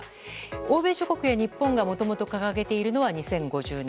欧米諸国や日本がもともと掲げているのは２０５０年。